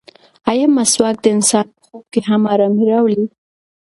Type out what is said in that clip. ایا مسواک د انسان په خوب کې هم ارامي راولي؟